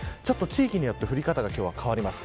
地域によって今日は降り方が変わります。